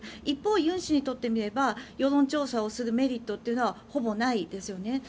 一方、ユン氏にしてみれば世論調査をするメリットはほぼないですよね。